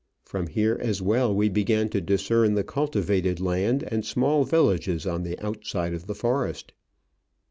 From here as well we began to discern the cultivated land and small villages on the outside of the forest.